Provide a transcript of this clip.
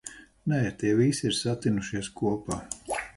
Nē, tie visi ir satinušies kopā.